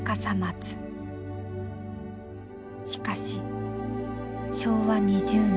しかし昭和２０年